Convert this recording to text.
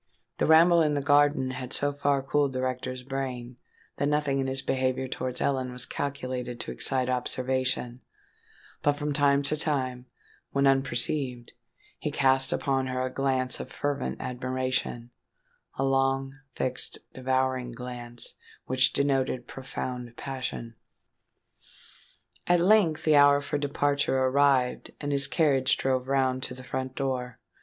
The ramble in the garden had so far cooled the rector's brain, that nothing in his behaviour towards Ellen was calculated to excite observation; but, from time to time, when unperceived, he cast upon her a glance of fervent admiration—a long, fixed, devouring glance, which denoted profound passion. At length the hour for departure arrived; and his carriage drove round to the front door.